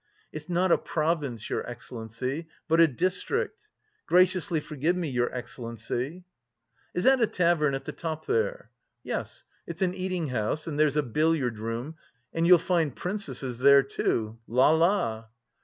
"It's not a province, your excellency, but a district. Graciously forgive me, your excellency!" "Is that a tavern at the top there?" "Yes, it's an eating house and there's a billiard room and you'll find princesses there too.... La la!"